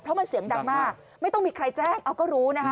เพราะมันเสียงดังมากไม่ต้องมีใครแจ้งเอาก็รู้นะคะ